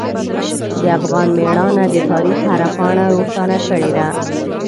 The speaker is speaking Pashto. د افغان میړانه د تاریخ هره پاڼه روښانه کړې ده.